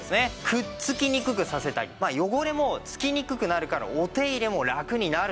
くっつきにくくさせたり汚れも付きにくくなるからお手入れもラクになると。